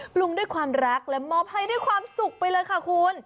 ปรุงด้วยความรักและมอบให้ด้วยความสุขไปเลยค่ะคุณ